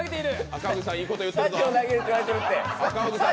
赤荻さんがいいこと言ってるぞ。